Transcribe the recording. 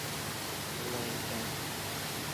Улай икән!